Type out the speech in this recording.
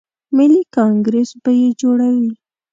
ملي کانګریس به یې جوړوي.